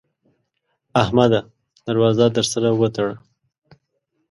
احمده! در وازه در سره وتړه.